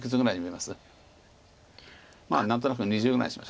まあ何となく２０ぐらいにしましょう。